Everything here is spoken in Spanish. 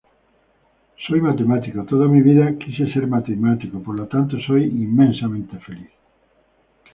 Soy matemático, toda mi vida quise ser matemático, por lo tanto: soy inmensamente feliz".